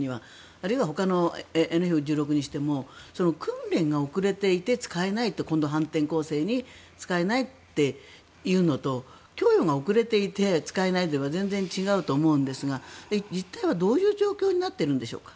あるいは、ほかのＦ１６にしても訓練が遅れていて使えないと反転攻勢に使えないっていうのと供与が遅れていて使えないというのでは全然違うと思うので実態はどういう状況になってるんでしょうか？